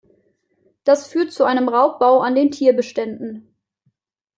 Das führt zu einem Raubbau an den Tierbeständen.